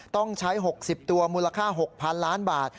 ต้องใช้๖๐ตัวมูลค่า๖๐๐๐ล้านบาท